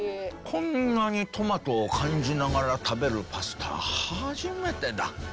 こんなにトマトを感じながら食べるパスタは初めてだ。